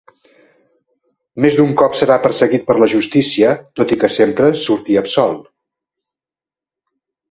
Més d’un cop serà perseguit per la justícia, tot i que sempre sortí absolt.